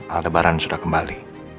aldebaran sudah kembali